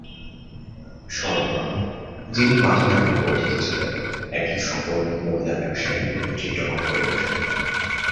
সরলা, যিনি মাটি নামেও পরিচিত ছিলেন, একজন সফল মহিলা ব্যবসায়ী এবং চিত্রকর হয়ে উঠেন।